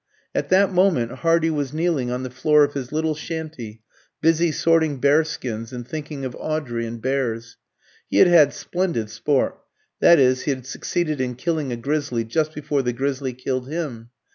At that moment Hardy was kneeling on the floor of his little shanty, busy sorting bearskins and thinking of Audrey and bears. He had had splendid sport that is, he had succeeded in killing a grizzly just before the grizzly killed him.